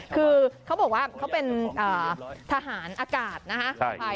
คือเขาบอกว่าเขาเป็นทหารอากาศนะคะ